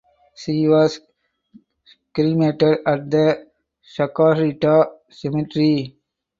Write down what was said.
She was cremated at the Chacarita Cemetery.